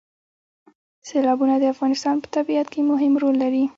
سیلابونه د افغانستان په طبیعت کې مهم رول لري.